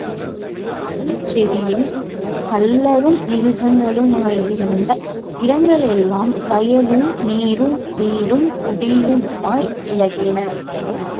காடுஞ் செடியுங் கள்ளரும் மிருகங்களுமாயிருந்த இடங்களெல்லாம் வயலும் நீரும் வீடும் குடியுமாய் இலகின.